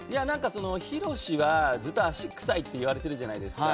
ひろしはずっと足くさいって言われているじゃないですか。